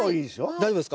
大丈夫です。